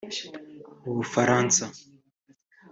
Mu Bufaransa